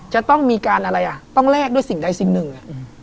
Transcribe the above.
จะต้องมีการอะไรอ่ะต้องแลกด้วยสิ่งใดสิ่งหนึ่ง